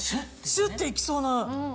シュって行きそうな。